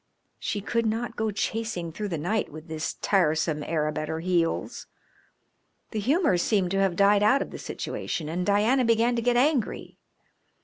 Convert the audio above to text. She could not go chasing through the night with this tiresome Arab at her heels. The humour seemed to have died out of the situation and Diana began to get angry.